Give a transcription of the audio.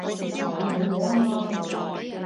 你冇嘢啊嘛？